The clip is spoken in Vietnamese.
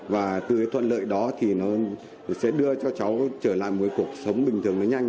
và từ cái thuận lợi đó thì nó sẽ đưa cho cháu trở lại một cuộc sống bình thường nó nhanh